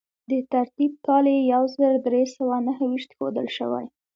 د ترتیب کال یې یو زر درې سوه نهه ویشت ښودل شوی.